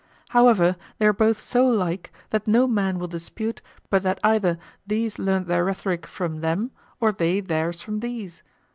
However, they are both so like that no man will dispute but that either these learned their rhetoric from them, or they theirs from these.